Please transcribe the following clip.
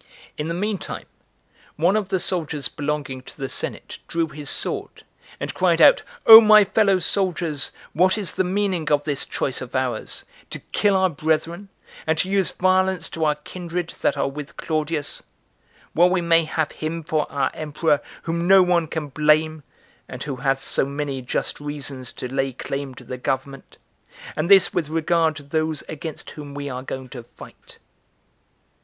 4. In the mean time, one of the soldiers belonging to the senate drew his sword, and cried out, "O my fellow soldiers, what is the meaning of this choice of ours, to kill our brethren, and to use violence to our kindred that are with Claudius? while we may have him for our emperor whom no one can blame, and who hath so many just reasons [to lay claim to the government]; and this with regard to those against whom we are going to fight."